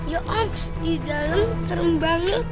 ya om di dalam serem banget